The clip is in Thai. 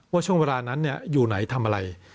ว่าช่วงเวลานั้นอยู่ไหนทำอะไร